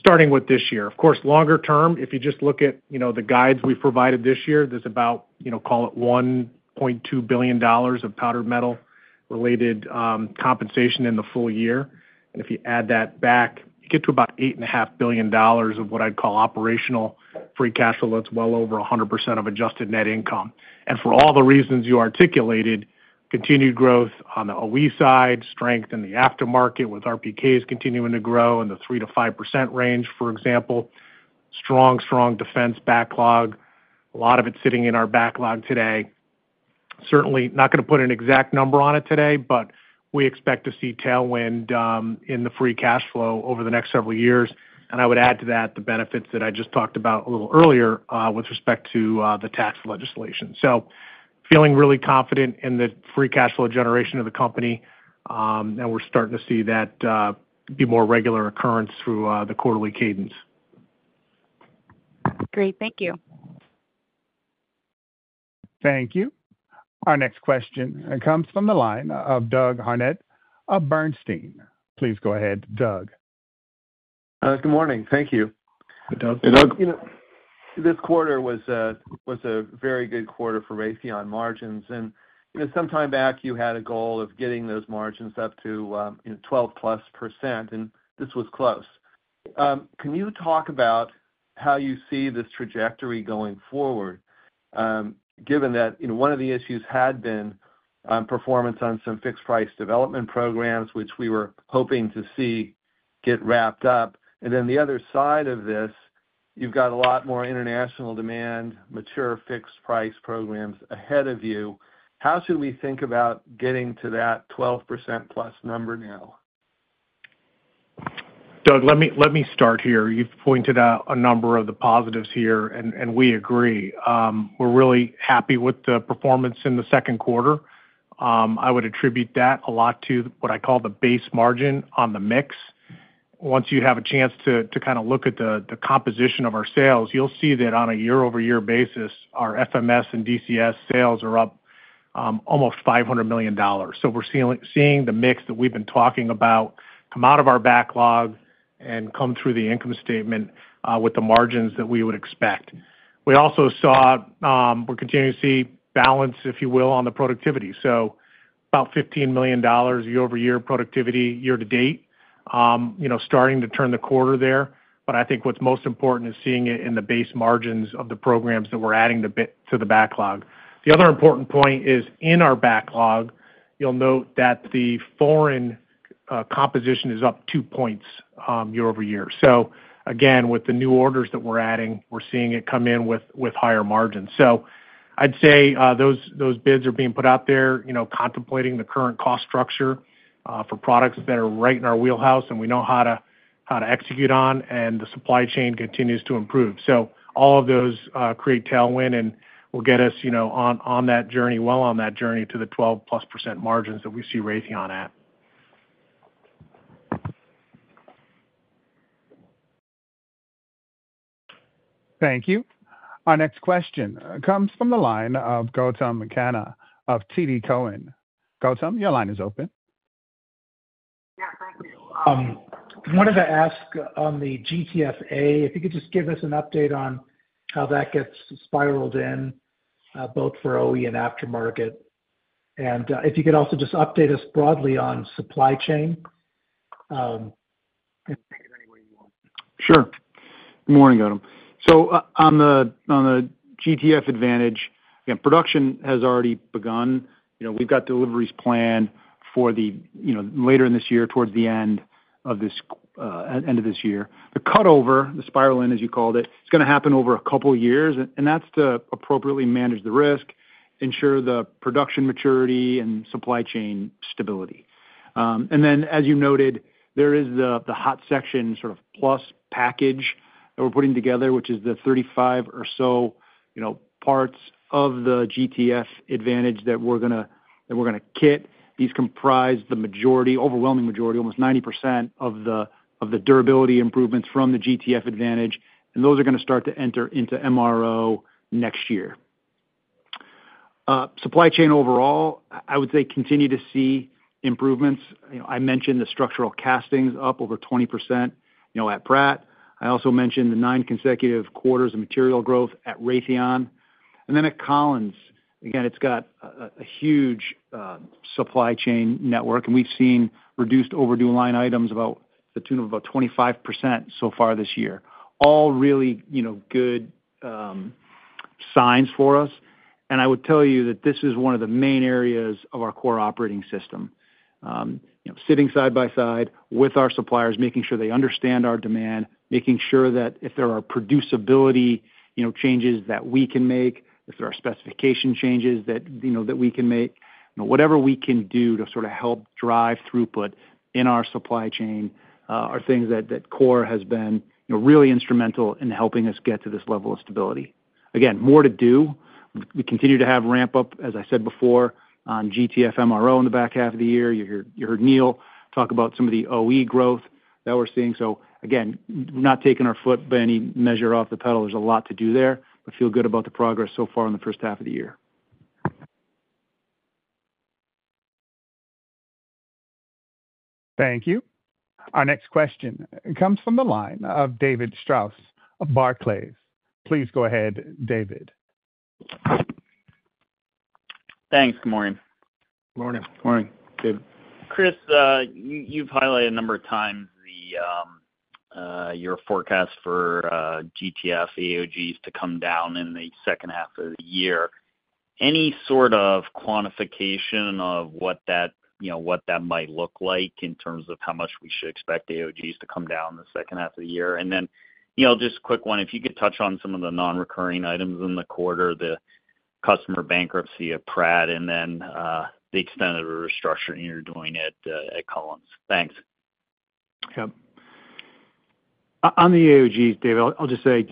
S3: Starting with this year, of course, longer term, if you just look at the guides we have provided this year, there is about, call it, $1.2 billion of powdered metal-related compensation in the full year. If you add that back, you get to about $8.5 billion of what I would call operational free cash flow. That is well over 100% of adjusted net income. For all the reasons you articulated, continued growth on the OE side, strength in the aftermarket with RPKs continuing to grow in the 3-5% range, for example, strong, strong defense backlog, a lot of it sitting in our backlog today. Certainly, not going to put an exact number on it today, but we expect to see tailwind in the free cash flow over the next several years. I would add to that the benefits that I just talked about a little earlier with respect to the tax legislation. Feeling really confident in the free cash flow generation of the company. We're starting to see that be more regular occurrence through the quarterly cadence.
S11: Great. Thank you.
S1: Thank you. Our next question comes from the line of Doug Harned of Bernstein. Please go ahead, Doug.
S12: Good morning. Thank you.
S2: Hey, Doug.
S4: Hey, Doug.
S12: This quarter was a very good quarter for Raytheon margins. Some time back, you had a goal of getting those margins up to 12% plus, and this was close. Can you talk about how you see this trajectory going forward, given that one of the issues had been performance on some fixed-price development programs, which we were hoping to see get wrapped up? The other side of this, you've got a lot more international demand, mature fixed-price programs ahead of you. How should we think about getting to that 12% plus number now?
S3: Doug, let me start here. You've pointed out a number of the positives here, and we agree. We're really happy with the performance in the second quarter. I would attribute that a lot to what I call the base margin on the mix. Once you have a chance to kind of look at the composition of our sales, you'll see that on a year-over-year basis, our FMS and DCS sales are up almost $500 million. We're seeing the mix that we've been talking about come out of our backlog and come through the income statement with the margins that we would expect. We also saw we're continuing to see balance, if you will, on the productivity. About $15 million year-over-year productivity year to date, starting to turn the quarter there. I think what's most important is seeing it in the base margins of the programs that we're adding to the backlog. The other important point is in our backlog, you'll note that the foreign composition is up two points year-over-year. Again, with the new orders that we're adding, we're seeing it come in with higher margins. I'd say those bids are being put out there, contemplating the current cost structure for products that are right in our wheelhouse and we know how to execute on, and the supply chain continues to improve. All of those create tailwind and will get us on that journey, well on that journey to the 12+% margins that we see Raytheon at.
S1: Thank you. Our next question comes from the line of Gautam Khanna of TD Cowen. Gautam, your line is open.
S13: Yeah. Thank you. I wanted to ask on the GTF Advantage, if you could just give us an update on how that gets spiraled in, both for OE and aftermarket. If you could also just update us broadly on supply chain.
S3: Sure. Good morning, Gautam. On the GTF Advantage, again, production has already begun. We've got deliveries planned for later in this year, towards the end of this year. The cutover, the spiral in, as you called it, is going to happen over a couple of years. That is to appropriately manage the risk, ensure the production maturity, and supply chain stability. As you noted, there is the Hot Section Plus package that we're putting together, which is the 35 or so parts of the GTF Advantage that we're going to kit. These comprise the majority, overwhelming majority, almost 90% of the durability improvements from the GTF Advantage. Those are going to start to enter into MRO next year. Supply chain overall, I would say continue to see improvements. I mentioned the structural castings up over 20% at Pratt. I also mentioned the nine consecutive quarters of material growth at Raytheon. At Collins, again, it's got a huge supply chain network. We've seen reduced overdue line items to the tune of about 25% so far this year. All really good signs for us. I would tell you that this is one of the main areas of our core operating system. Sitting side by side with our suppliers, making sure they understand our demand, making sure that if there are producibility changes that we can make, if there are specification changes that we can make, whatever we can do to sort of help drive throughput in our supply chain are things that core has been really instrumental in helping us get to this level of stability. Again, more to do. We continue to have ramp up, as I said before, on GTF MRO in the back half of the year. You heard Neil talk about some of the OE growth that we're seeing. Again, we're not taking our foot by any measure off the pedal. There's a lot to do there. Feel good about the progress so far in the first half of the year.
S1: Thank you. Our next question comes from the line of David Strauss of Barclays. Please go ahead, David.
S14: Thanks. Good morning.
S2: Good morning. Good morning, David.
S14: Chris, you've highlighted a number of times your forecast for GTF AOGs to come down in the second half of the year. Any sort of quantification of what that might look like in terms of how much we should expect AOGs to come down in the second half of the year? Just a quick one, if you could touch on some of the non-recurring items in the quarter, the customer bankruptcy at Pratt, and the extent of the restructuring you're doing at Collins. Thanks.
S2: Yep. On the AOGs, David, I'll just say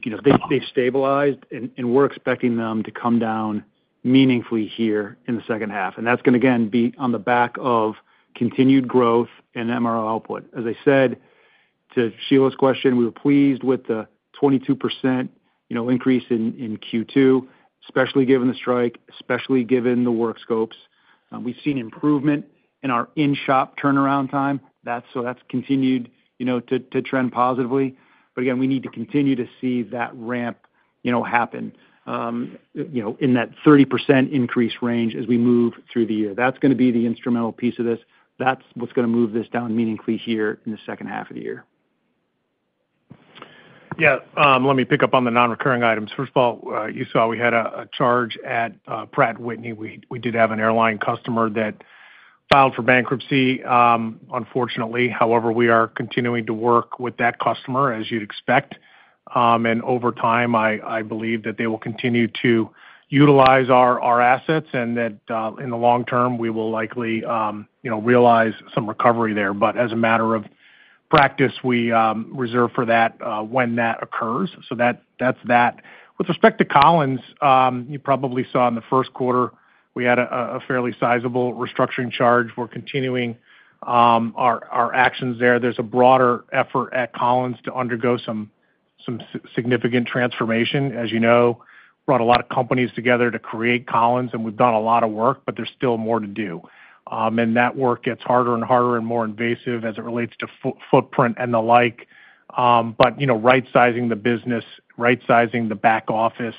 S2: they've stabilized, and we're expecting them to come down meaningfully here in the second half. That's going to, again, be on the back of continued growth and MRO output. As I said to Sheila's question, we were pleased with the 22% increase in Q2, especially given the strike, especially given the work scopes. We've seen improvement in our in-shop turnaround time. That's continued to trend positively. Again, we need to continue to see that ramp happen in that 30% increase range as we move through the year. That's going to be the instrumental piece of this. That's what's going to move this down meaningfully here in the second half of the year.
S3: Yeah. Let me pick up on the non-recurring items. First of all, you saw we had a charge at Pratt & Whitney. We did have an airline customer that filed for bankruptcy, unfortunately. However, we are continuing to work with that customer, as you'd expect. Over time, I believe that they will continue to utilize our assets and that in the long term, we will likely realize some recovery there. As a matter of practice, we reserve for that when that occurs. That is that. With respect to Collins, you probably saw in the first quarter, we had a fairly sizable restructuring charge. We are continuing our actions there. There is a broader effort at Collins to undergo some significant transformation. As you know, brought a lot of companies together to create Collins, and we have done a lot of work, but there is still more to do. That work gets harder and harder and more invasive as it relates to footprint and the like. Right-sizing the business, right-sizing the back office,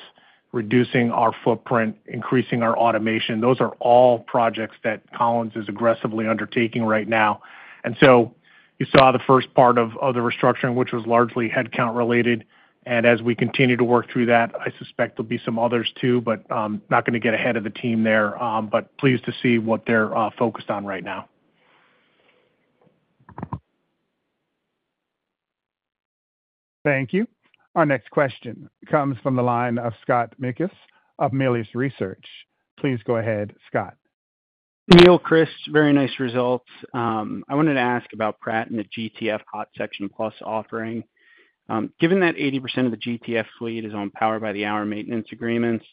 S3: reducing our footprint, increasing our automation, those are all projects that Collins is aggressively undertaking right now. You saw the first part of the restructuring, which was largely headcount related. As we continue to work through that, I suspect there'll be some others too, not going to get ahead of the team there. Pleased to see what they're focused on right now.
S1: Thank you. Our next question comes from the line of Scott Mikus of Melius Research. Please go ahead, Scott.
S15: Neil, Chris, very nice results. I wanted to ask about Pratt and the GTF Hot Section Plus offering. Given that 80% of the GTF fleet is on power by the hour maintenance agreements,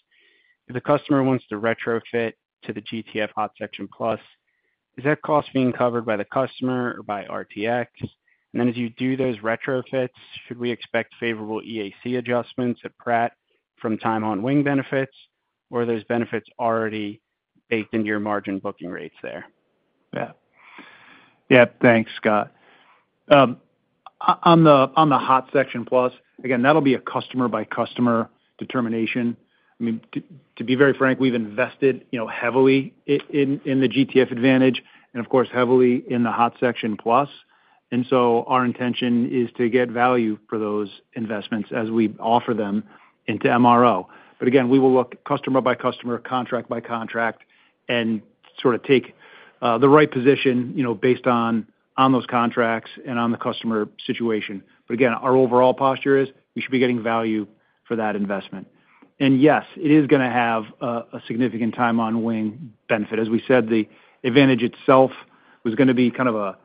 S15: if the customer wants to retrofit to the GTF Hot Section Plus, is that cost being covered by the customer or by RTX? As you do those retrofits, should we expect favorable EAC adjustments at Pratt from time-on-wing benefits, or are those benefits already baked into your margin booking rates there?
S2: Yeah. Yeah. Thanks, Scott. On the Hot Section Plus, again, that'll be a customer-by-customer determination. I mean, to be very frank, we've invested heavily in the GTF Advantage and, of course, heavily in the Hot Section Plus. Our intention is to get value for those investments as we offer them into MRO. Again, we will look customer-by-customer, contract-by-contract, and sort of take the right position based on those contracts and on the customer situation. Our overall posture is we should be getting value for that investment. Yes, it is going to have a significant time-on-wing benefit. As we said, the Advantage itself was going to be kind of a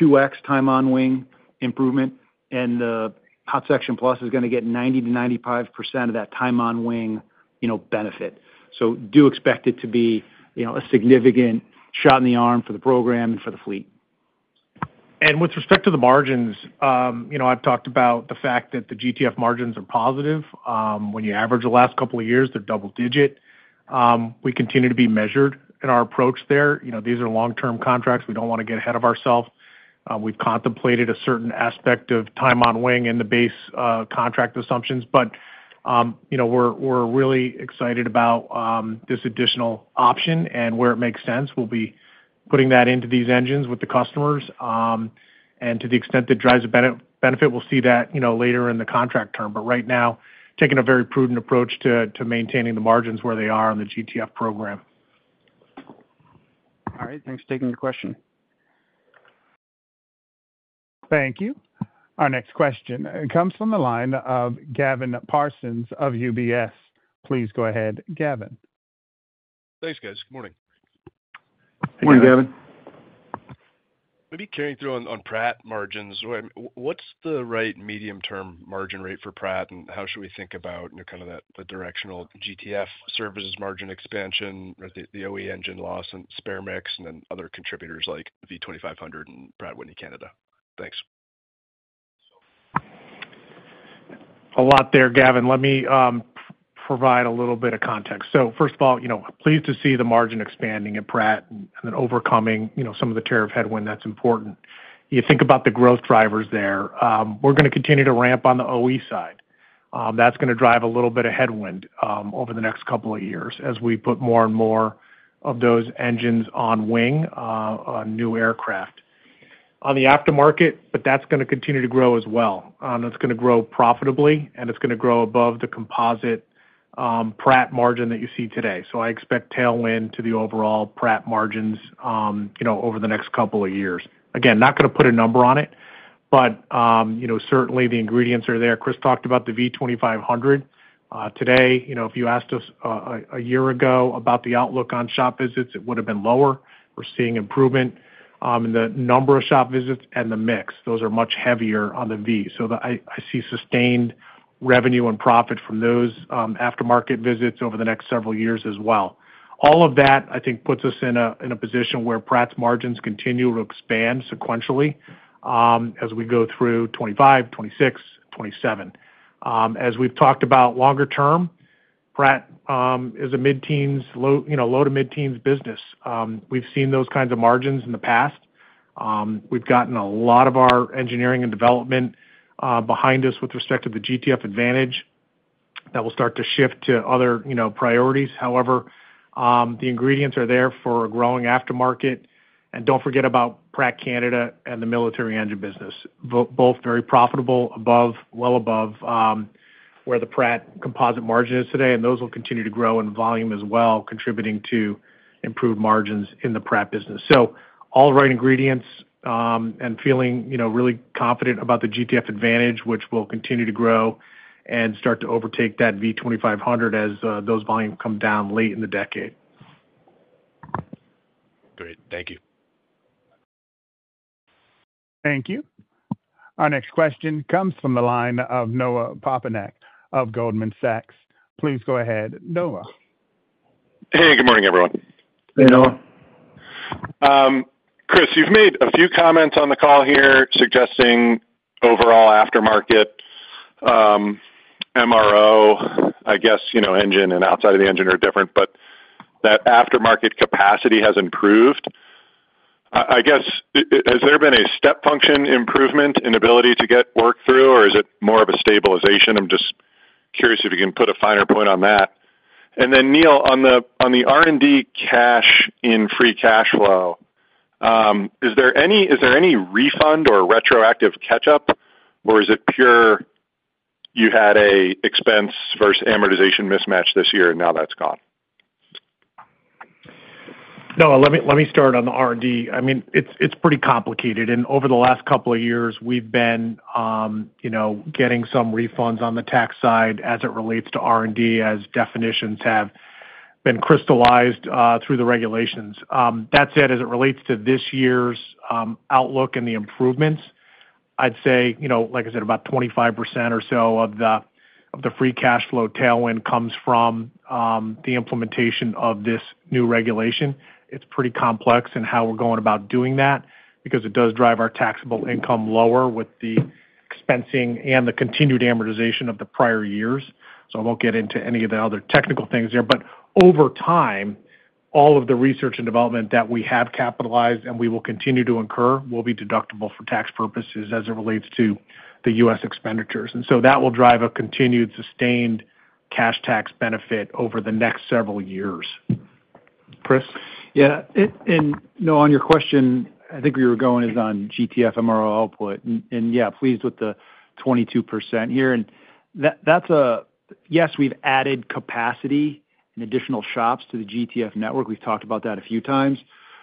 S2: 2x time-on-wing improvement. The Hot Section Plus is going to get 90-95% of that time-on-wing benefit. Do expect it to be a significant shot in the arm for the program and for the fleet.
S3: With respect to the margins, I've talked about the fact that the GTF margins are positive. When you average the last couple of years, they're double-digit. We continue to be measured in our approach there. These are long-term contracts. We do not want to get ahead of ourselves. We've contemplated a certain aspect of time-on-wing in the base contract assumptions. We are really excited about this additional option and where it makes sense. We'll be putting that into these engines with the customers. To the extent that drives a benefit, we'll see that later in the contract term. Right now, taking a very prudent approach to maintaining the margins where they are on the GTF program.
S15: All right. Thanks for taking your question.
S1: Thank you. Our next question comes from the line of Gavin Parsons of UBS. Please go ahead, Gavin.
S16: Thanks, guys. Good morning.
S2: Morning, Gavin.
S16: Maybe carrying through on Pratt margins. What's the right medium-term margin rate for Pratt, and how should we think about kind of the directional GTF services margin expansion, the OE engine loss and spare mix, and then other contributors like V2500 and Pratt & Whitney Canada? Thanks.
S3: A lot there, Gavin. Let me provide a little bit of context. First of all, pleased to see the margin expanding at Pratt and then overcoming some of the tariff headwind. That is important. You think about the growth drivers there. We are going to continue to ramp on the OE side. That is going to drive a little bit of headwind over the next couple of years as we put more and more of those engines on wing on new aircraft. On the aftermarket, that is going to continue to grow as well. That is going to grow profitably, and it is going to grow above the composite Pratt margin that you see today. I expect tailwind to the overall Pratt margins over the next couple of years. Again, not going to put a number on it, but certainly the ingredients are there. Chris talked about the V2500. Today, if you asked us a year ago about the outlook on shop visits, it would have been lower. We're seeing improvement in the number of shop visits and the mix. Those are much heavier on the V. So I see sustained revenue and profit from those aftermarket visits over the next several years as well. All of that, I think, puts us in a position where Pratt's margins continue to expand sequentially as we go through 2025, 2026, 2027. As we've talked about longer term, Pratt is a mid-teens, low to mid-teens business. We've seen those kinds of margins in the past. We've gotten a lot of our engineering and development behind us with respect to the GTF Advantage that will start to shift to other priorities. However, the ingredients are there for a growing aftermarket. And don't forget about Pratt Canada and the military engine business. Both very profitable, well above where the Pratt composite margin is today. Those will continue to grow in volume as well, contributing to improved margins in the Pratt business. All the right ingredients and feeling really confident about the GTF Advantage, which will continue to grow and start to overtake that V-2500 as those volumes come down late in the decade.
S16: Great. Thank you.
S1: Thank you. Our next question comes from the line of Noah Poponak of Goldman Sachs. Please go ahead, Noah.
S17: Hey, good morning, everyone.
S2: Hey, Noah.
S17: Chris, you've made a few comments on the call here suggesting overall aftermarket MRO, I guess, engine and outside of the engine are different, but that aftermarket capacity has improved. I guess, has there been a step function improvement in ability to get work through, or is it more of a stabilization? I'm just curious if you can put a finer point on that. Then, Neil, on the R&D cash in free cash flow, is there any refund or retroactive catch-up, or is it pure you had an expense versus amortization mismatch this year, and now that's gone?
S3: Noah, let me start on the R&D. I mean, it's pretty complicated. Over the last couple of years, we've been getting some refunds on the tax side as it relates to R&D, as definitions have been crystallized through the regulations. That said, as it relates to this year's outlook and the improvements, I'd say, like I said, about 25% or so of the free cash flow tailwind comes from the implementation of this new regulation. It's pretty complex in how we're going about doing that because it does drive our taxable income lower with the expensing and the continued amortization of the prior years. I won't get into any of the other technical things there. Over time, all of the research and development that we have capitalized and we will continue to incur will be deductible for tax purposes as it relates to the U.S. expenditures. That will drive a continued sustained cash tax benefit over the next several years. Chris?
S2: Yeah. Noah, on your question, I think where we were going is on GTF MRO output. Yeah, pleased with the 22% here. Yes, we've added capacity and additional shops to the GTF network. We've talked about that a few times.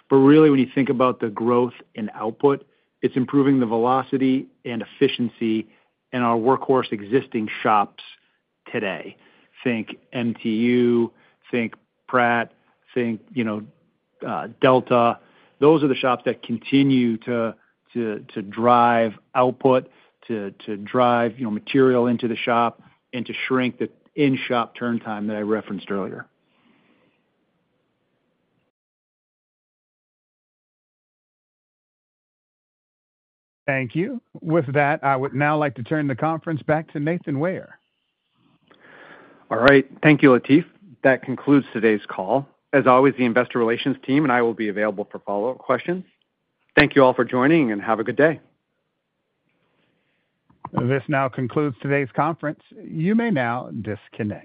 S2: Really, when you think about the growth in output, it's improving the velocity and efficiency in our workhorse existing shops today. Think MTU, think Pratt, think Delta. Those are the shops that continue to drive output, to drive material into the shop, and to shrink the in-shop turn time that I referenced earlier.
S1: Thank you. With that, I would now like to turn the conference back to Nathan Ware.
S4: All right. Thank you, Latif. That concludes today's call. As always, the Investor Relations team and I will be available for follow-up questions. Thank you all for joining, and have a good day.
S1: This now concludes today's conference. You may now disconnect.